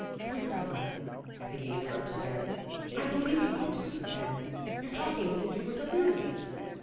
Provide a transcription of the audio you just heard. "Priscilla," Peggy interrupted again, "Ibe DELIVERANCE 237 lieve you ought to go to bed. You're talking as if you were delirious."